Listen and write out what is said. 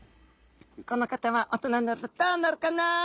この方は大人になるとどうなるかな？